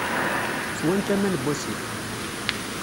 Swant aman n wasif.